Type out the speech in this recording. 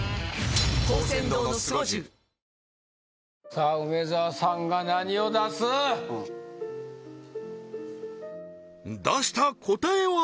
さあ梅沢さんが何を出す？出した答えは？